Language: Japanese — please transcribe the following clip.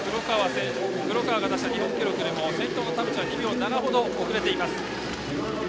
黒川が出した日本記録より先頭の田渕は２秒７程遅れています。